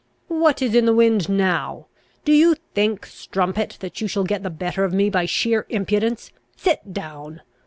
"What is in the wind now? Do you think, strumpet; that you shall get the better of me by sheer impudence? Sit down!